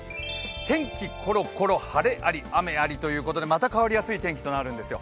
天気コロコロ、晴れあり、雨ありということでまた変わりやすい天気となるんです。